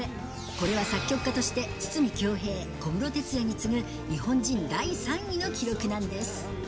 これは作曲家として筒美京平、小室哲哉に次ぐ、日本人第３位の記録なんです。